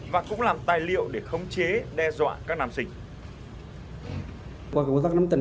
và cũng làm tài liệu để khống chế đe dọa các nam sinh